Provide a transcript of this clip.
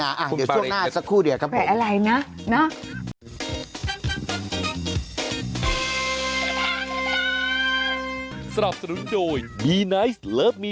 อ้าวเดี๋ยวช่วงหน้าสักครู่เดี๋ยวครับผม